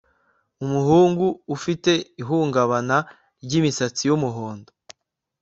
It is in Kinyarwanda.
Umuhungu afite ihungabana ryimisatsi yumuhondo